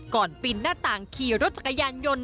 ปีนหน้าต่างขี่รถจักรยานยนต์